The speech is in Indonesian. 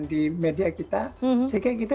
di media kita sehingga kita